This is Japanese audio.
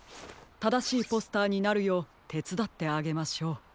ただしいポスターになるようてつだってあげましょう。